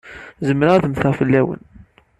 Zemreɣ ad mmteɣ fell-awen.